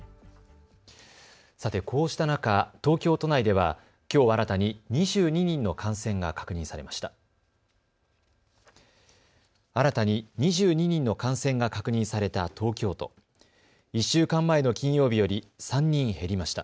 さて、こうした中、東京都内ではきょう新たに２２人の感染が確認されました。